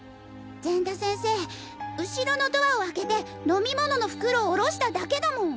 善田先生後ろのドアを開けて飲み物の袋を降ろしただけだもん！